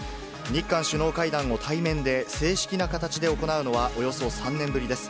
日韓首脳会談を対面で正式な形で行うのはおよそ３年ぶりです。